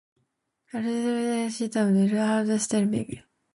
Castillo entered spring training slimmed down and had a stellar spring.